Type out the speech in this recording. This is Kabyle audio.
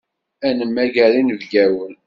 Ad nemmager inebgawen.